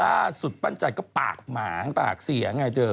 ล่าสุดปั้นจันก็ปากหมางปากเสียไงเจอ